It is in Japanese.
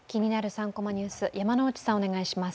３コマニュース」、山内さん、お願いします。